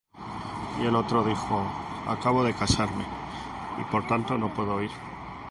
Y el otro dijo: Acabo de casarme, y por tanto no puedo ir.